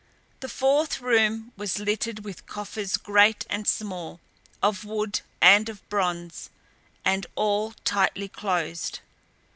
The fourth room was littered with coffers great and small, of wood and of bronze, and all tightly closed.